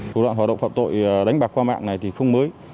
thủ đoạn hoạt động phạm tội đánh bạc qua mạng này thì không mới